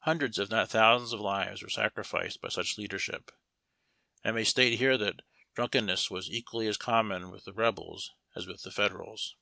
Hundreds if not thousands of lives were sacrificed by such leadership. I may state h(n"e that drunkenness was equally as connnon with the Rebels as with the Federals.